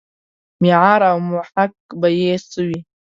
معیار او محک به یې څه وي.